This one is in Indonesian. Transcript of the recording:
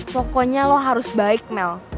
pokoknya lo harus baik mel